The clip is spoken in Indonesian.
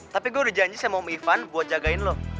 tapi gue udah janji saya mau ivan buat jagain lo